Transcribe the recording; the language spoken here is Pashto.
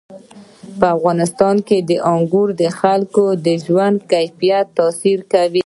په افغانستان کې انګور د خلکو د ژوند په کیفیت تاثیر کوي.